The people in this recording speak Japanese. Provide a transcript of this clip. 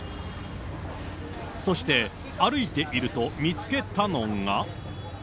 そして、歩いていると見つけたのが。